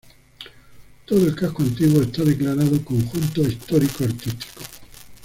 Todo el casco antiguo está declarado Conjunto Histórico-Artístico.